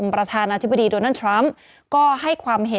มีสารตั้งต้นเนี่ยคือยาเคเนี่ยใช่ไหมคะ